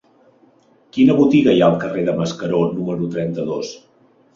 Quina botiga hi ha al carrer de Mascaró número trenta-dos?